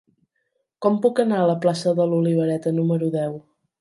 Com puc anar a la plaça de l'Olivereta número deu?